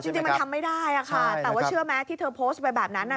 จริงมันทำไม่ได้ค่ะแต่ว่าเชื่อไหมที่เธอโพสต์ไปแบบนั้น